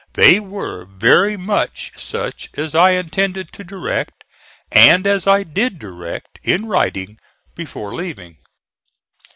They were very much such as I intended to direct, and as I did direct (*24), in writing, before leaving.